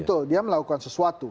betul dia melakukan sesuatu